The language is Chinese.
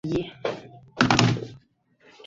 兼工诗文。